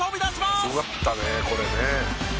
「すごかったねこれね」